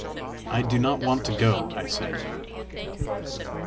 "I do not want to go," I said.